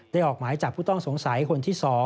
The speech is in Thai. ออกหมายจับผู้ต้องสงสัยคนที่๒